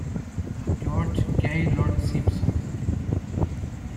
George Gaylord Simpson.